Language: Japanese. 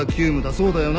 そうだよな？